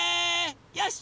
よし！